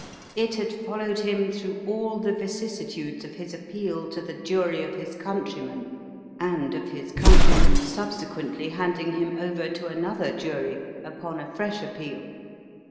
It had followed him through all the vicissitudes of his appeal to the jury of his countrymen, and of his countrymen's subsequently handing him over to another jury upon a fresh appeal.